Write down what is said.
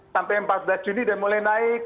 sampai empat belas juni udah mulai naik